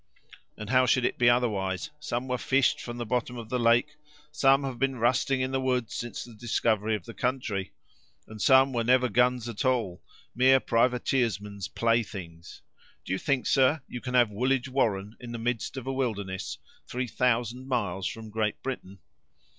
"And how should it be otherwise? Some were fished from the bottom of the lake; some have been rusting in woods since the discovery of the country; and some were never guns at all—mere privateersmen's playthings! Do you think, sir, you can have Woolwich Warren in the midst of a wilderness, three thousand miles from Great Britain?"